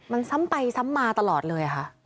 มันซ้ำไปซ้ำมาตลอดเลยค่ะ